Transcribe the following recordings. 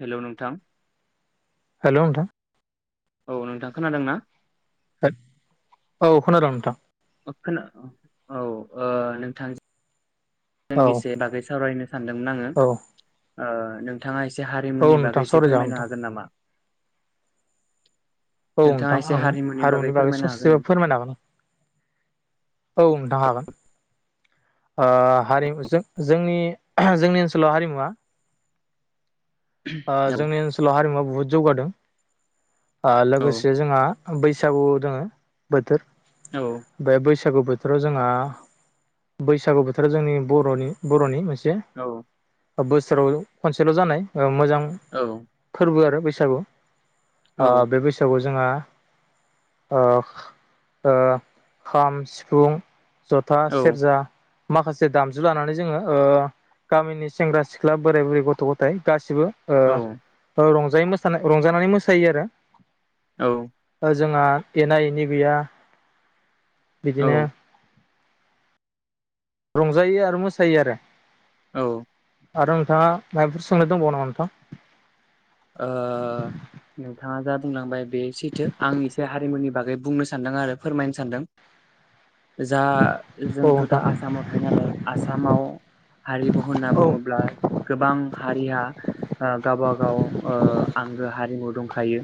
हेल' नोंथां। हेल' नोंथां औ नोंथां खोनादों ना? औ खोनादों नोंथां? खोना औ ओ नोंथां औ इसे बागै सावरायनो सानदोंमोन आङो। औ ओ नोंथाङा एसे एसे औ हारिमुनि नोंथां बागै एसे सावरायजागोन नोंथां फोरमायनो हागोन नामा? औ नोंथाङा नोंथां एसे आं हारिमुनि हारमुनि बागै फोरमायनो ससे हागोन फोरमायनो हागोन औ नोंथां हागोन। ओ हारिमु जों जोंनि जोंनि ओनसोलाव हारिमुवा ओ नामा? जोंनि ओनसोलाव हारिमुवा बुहुत जौगादों। औ लोगोसे जोंहा बैसागु दोङो बोथोर औ बे बैस सागु बोथोराव जोंहा बैसागु बोथोराव जोंनि बर'नि बर'नि मोनसे औ बोसोराव खनसेल जानाय मोजां औ फोरबो आरो बैसागो औ आ बे बैसागो जोंहा ओ ओ खाम सिफुं जथा औ सेरजा माखासे दामजु लानानै जोङो ओ गामिनि सेंग्रा सिख्ला बोराय बुरै गथ गथाय गासिबो औ रं जायै मोसानाय रंजानानै मोसायो औ आरो जोंहा एना एनि गैया औ बिदिनो रंजायो आरो मोसायो आरो औ आरो नोंथाङा माबफोर सोंनो दंबावो नामा नोंथां ओ नोंथाङा दा बुंलांबाय बे सैथो आंनि एसे हारिमुनि बागै बुंनो सानदों आरो फोरमायनो सान्दों जा औ जोंथ दा नोंथां आसामाव थायो नालाय आसामाव हारिमु होनना औ बुङोब्ला गोबां हारिया आ गाबा गाव ओ आंगो हारिमु दंखायो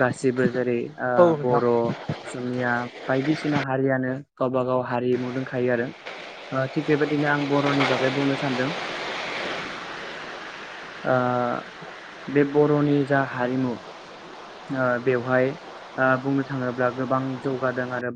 गासिबो जेरै ओ औ नोंथां बर', असमिया बायदिसिना हारियानो गावबाागाव हारिमु दंखायो आरो ओ थिग बेबायदिनो आं बर'नि बागै बुंनो सानदों ओ बे बर'नि जा हारिमु ओ बेवहाय ओ बुंनो थाङोब्ला गोबां जौगादों आरो